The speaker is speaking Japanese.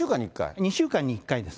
２週間に１回です。